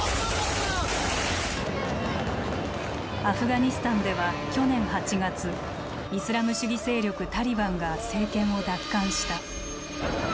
アフガニスタンでは去年８月イスラム主義勢力タリバンが政権を奪還した。